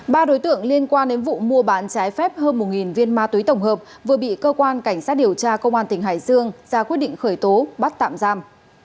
ba đối tượng liên quan đến vụ mua bán trái phép hơn một viên ma túy tổng hợp vừa bị cơ quan cảnh sát điều tra công an tỉnh hải dương ra quyết định khởi tố bắt tạm giam